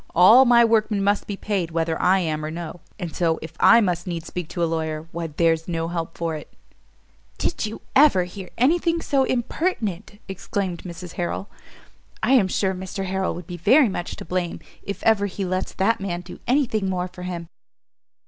All my workmen must be paid whether I am or no; and so, if I must needs speak to a lawyer, why there's no help for it." "Did you ever hear any thing so impertinent?" exclaimed Mrs Harrel; "I am sure Mr Harrel will be very much to blame, if ever he lets that man do any thing more for him."